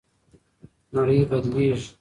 نړۍ بدلیږي.